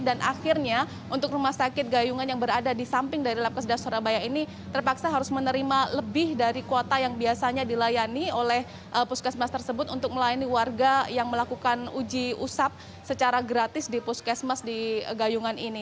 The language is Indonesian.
dan akhirnya untuk rumah sakit gayungan yang berada di samping dari labkesda surabaya ini terpaksa harus menerima lebih dari kuota yang biasanya dilayani oleh puskesmas tersebut untuk melayani warga yang melakukan uji usap secara gratis di puskesmas di gayungan ini